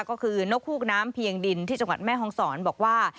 ก็คือนกฮูกน้ำเพียงดินที่จังหวัดแม่ฮองศรบอกว่า